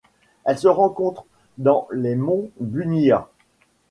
Elle se rencontre dans les monts Bunya.